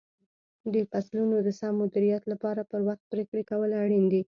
د فصلونو د سم مدیریت لپاره پر وخت پرېکړې کول اړین دي.